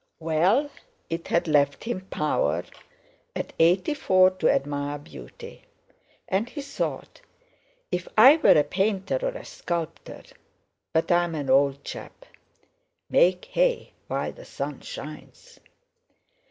Well! It had left him power, at eighty four, to admire beauty. And he thought, "If I were a painter or a sculptor! But I'm an old chap. Make hay while the sun shines."